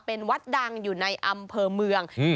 เป็นวัดดังอยู่ในอำเภอเมือง